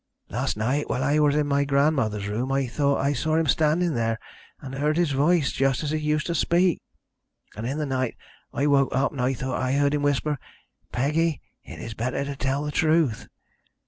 Last night, while I was in my grandmother's room, I thought I saw him standing there, and heard his voice, just as he used to speak. And in the night I woke up and thought I heard him whisper, 'Peggy, it is better to tell the truth.'